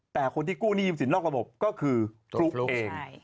แต่คนที่กู้หนี้ยืมสินนอกระบบก็คือฟลุ๊กเอง